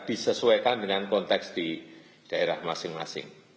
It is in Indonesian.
disesuaikan dengan konteks di daerah masing masing